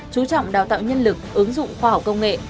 chú trọng đào tạo nhân lực ứng dụng khoa học công nghệ